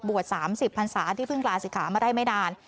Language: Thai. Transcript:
บวชสามสิบพรรษาที่พึ่งกราศิษย์ขามาได้ไม่นาน